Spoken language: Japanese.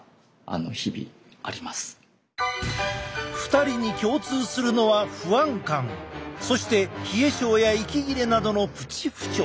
２人に共通するのはそして冷え症や息切れなどのプチ不調。